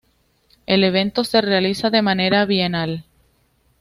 El evento se realiza de manera bienal.